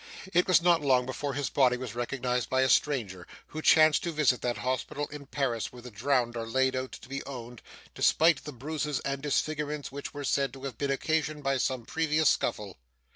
It was not long before his body was recognised by a stranger, who chanced to visit that hospital in Paris where the drowned are laid out to be owned; despite the bruises and disfigurements which were said to have been occasioned by some previous scuffle.